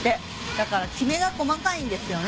だからきめが細かいんですよね